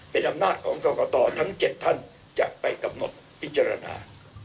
เป็นอำนาจของกรกตทั้ง๗ท่านจะไปกำหนดพิจารณา